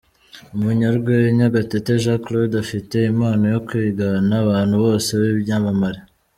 Umunyarwenya, Gatete Jean Claude afite impano yo kwigana abantu bose b'ibyamamare.